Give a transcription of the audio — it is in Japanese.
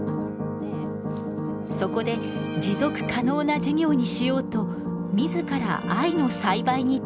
そこで持続可能な事業にしようと自ら藍の栽培に挑戦。